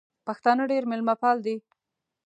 پښتانه ډېر مېلمه پال دي.